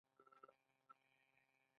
په سړک کې احتیاط وکړئ